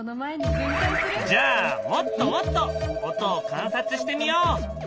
じゃあもっともっと音を観察してみよう！